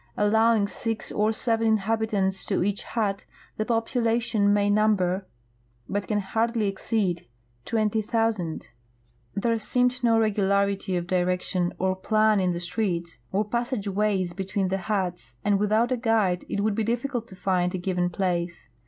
Allowing six or seven inhabitants to each hut, the population may number, but can hardl}'^ exceed, 20,000. There seemed no regularity of direction or plan in the streets or passage ways between tlie huts, and without a guide it would be difficult to find a given place.